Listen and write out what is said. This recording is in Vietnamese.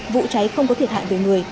vụ cháy không có thiệt hại về người